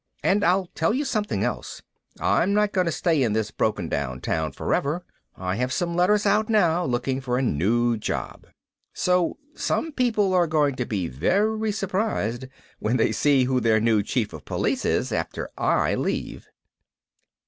And I'll tell you something else. I'm not going to stay in this broken down town forever. I have some letters out now, looking for a new job. So some people are going to be very surprised when they see who their new Chief of Police is after I leave.